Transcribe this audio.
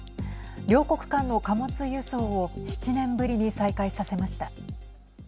両国間の貨物輸送を７年ぶりに再開させました。